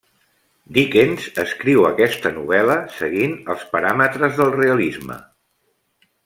Dickens escriu aquesta novel·la seguint els paràmetres del realisme.